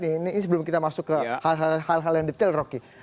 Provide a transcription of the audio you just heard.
ini sebelum kita masuk ke hal hal yang detail rocky